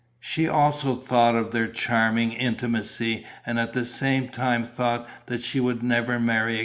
She also thought of their increasing intimacy and at the same time thought that she would never marry again.